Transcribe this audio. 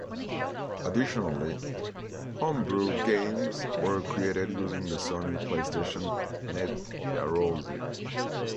Additionally, homebrew games were created using the Sony PlayStation Net Yaroze.